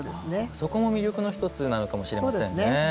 それも魅力の一つなのかもしれませんね。